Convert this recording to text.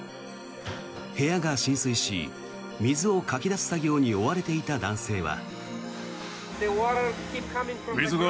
部屋が浸水し水をかき出す作業に追われていた男性は。